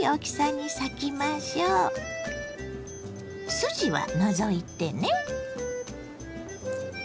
筋は除いてね。